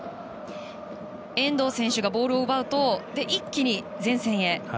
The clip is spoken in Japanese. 遠藤選手がボールを奪うと一気に前線へ。